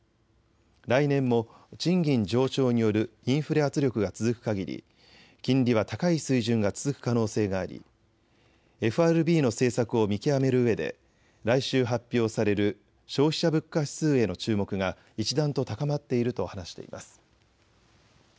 来年も賃金上昇によるインフレ圧力が続くかぎり金利は高い水準が続く可能性がありＦＲＢの政策を見極めるうえで来週発表される消費者物価指数への注目が一段と高まっていると話しています。